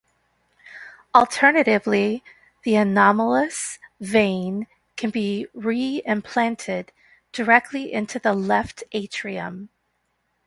Alternatively, the anomalous vein can be re-implanted directly into the left atrium.